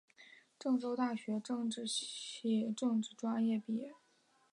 郑州大学政治系政治专业毕业。